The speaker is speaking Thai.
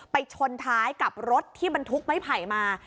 ไปชนท้ายกับรถที่ถุกไม่ไผ่มา